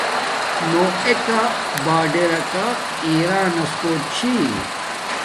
نو ایکا باڈرکا ایران نس کوٹ چھی